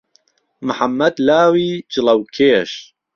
محەممەد لاوی جڵهوکێش